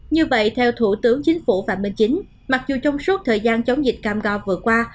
như vậy theo thủ tướng chính phủ phạm minh chính mặc dù trong suốt thời gian chống dịch cam go vừa qua